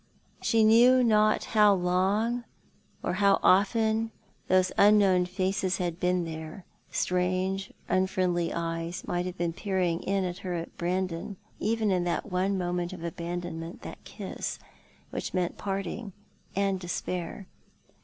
She knew not how long or how often those unknown faces had been there. Strange unfriendly eyes might have been peering in at her and Brandon, even in that one moment of abandonment, that kiss, which meant parting and despair.